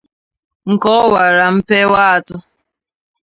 nke ọ wara mpewa atọ